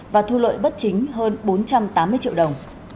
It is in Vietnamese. và thu lợi bất chính hơn bốn trăm tám mươi triệu đồng